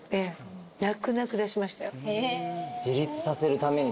自立させるために。